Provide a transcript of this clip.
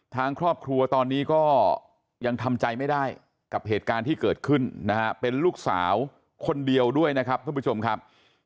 ทางครอบครัวตอนนี้ก็ยังทำใจไม่ได้กับเหตุการณ์ที่เกิดขึ้นนะฮะเป็นลูกสาวคนเดียวด้วยนะครับท่านผู้ชมครับ